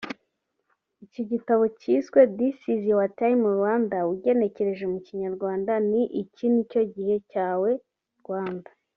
Iki gitabo cyiswe ‘This is Your Time Rwanda’ ugenekerereje mu Kinyarwanda ni ‘Iki nicyo gihe cyawe Rwanda’